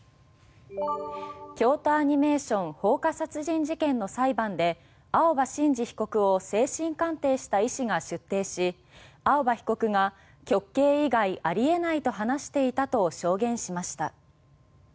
京都アニメーション放火殺人事件の裁判で青葉真司被告を精神鑑定した医師が出廷し青葉被告が極刑以外ありえないと話していたと証言しました。